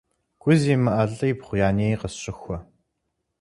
Гу зимыӀэ лӀибгъу я ней къысщыхуэ.